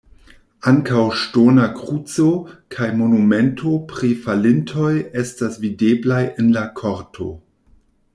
Ankaŭ ŝtona kruco kaj monumento pri falintoj estas videblaj en la korto.